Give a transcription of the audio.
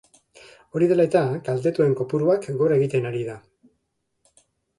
Hori dela eta, kaltetuen kopuruak gora egiten ari da.